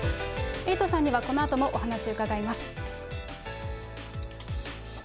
エイトさんにはこのあともお話伺います。